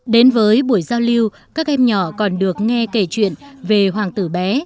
đến với buổi giao lưu các em nhỏ còn được nghe kể chuyện về hoàng tử bé